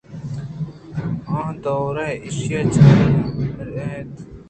کہ آ دور ءَ ایشی ءَ چارگ ءَ اِتنت